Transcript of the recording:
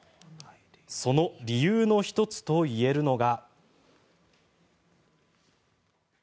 その理由の１つといえるのが。